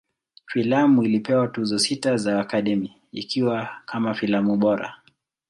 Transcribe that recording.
Filamu ilipewa Tuzo sita za Academy, ikiwa kama filamu bora.